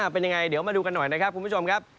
เป็นยังไงเดี๋ยวมาดูกันหน่อยนะครับคุณผู้ชมครับ